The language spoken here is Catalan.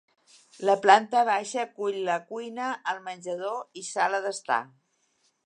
La planta baixa acull la cuina, el menjador i sala d'estar.